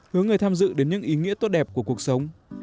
hướng người tham dự đến những ý nghĩa tốt đẹp của cuộc sống